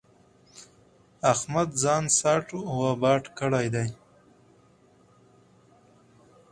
احمد ځان ساټ و باټ کړی دی.